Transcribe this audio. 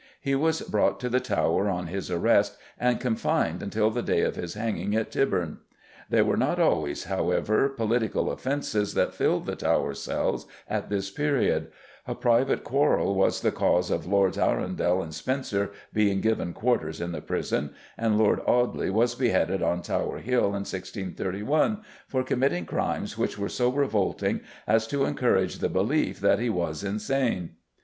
He was brought to the Tower on his arrest and confined until the day of his hanging at Tyburn. They were not always, however, political offences that filled the Tower cells at this period; a private quarrel was the cause of Lords Arundel and Spencer being given quarters in the prison, and Lord Audley was beheaded on Tower Hill in 1631 for committing crimes which were so revolting as to encourage the belief that he was insane.